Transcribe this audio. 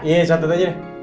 iya catet aja deh